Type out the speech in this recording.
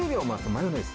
マヨネーズ。